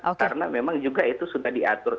karena memang juga itu sudah diatur